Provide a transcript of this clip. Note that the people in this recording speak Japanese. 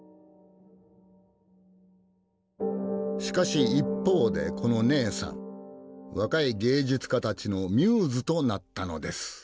しかし一方でこのねえさん若い芸術家たちのミューズとなったのです。